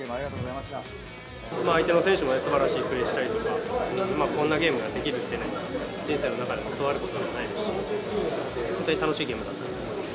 相手の選手もすばらしいプレーをしたりとか、こんなゲームができるってね、人生の中でもそうあることではないですし、本当に楽しいゲームだったと思います。